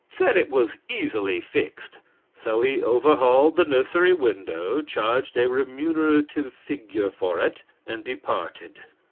Said it was easily fixed. So he overhauled the nursery window, charged a remunerative figure for it, and departed.